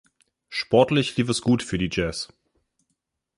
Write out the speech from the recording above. Sportlich lief es gut für die Jazz.